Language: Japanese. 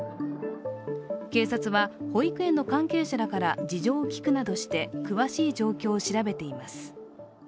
警察は、保育園の関係者らから事情を聴くなどして、詳しい状況を調べています。